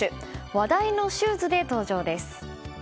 話題のシューズで登場です。